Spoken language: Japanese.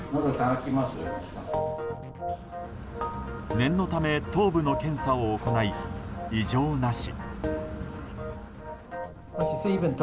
念のため、頭部の検査を行い異常なし。